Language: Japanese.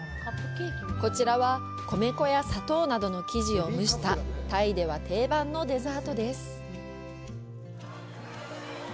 こちらは、米粉や砂糖などの生地を蒸した、タイでは定番のデザートです。